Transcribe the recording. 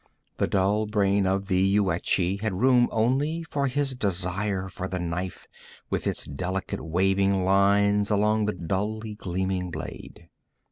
The dull brain of the Yuetshi had room only for his desire for the knife with its delicate waving lines along the dully gleaming blade.